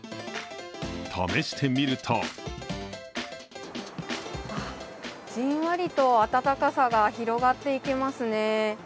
試してみるとじんわりと温かさが広がってきますね。